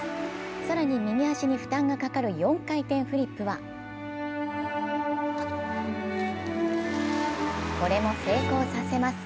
更に右足に負担がかかる４回転フリップはこれも成功させます。